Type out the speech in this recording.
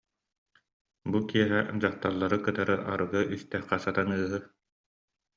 Бу киэһэ дьахталлары кытары арыгы истэххэ сатаныыһы